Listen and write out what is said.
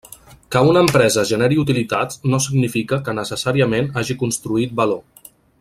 Que una empresa generi utilitats no significa que necessàriament hagi construït valor.